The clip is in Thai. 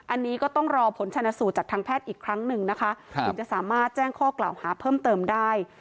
อันนี้ก็ต้องรอผลชนสูตรจากทางแพทย์อีกครั้งหนึ่งนะคะถึงจะสามารถแจ้งข้อกล่าวหาเพิ่มเติมได้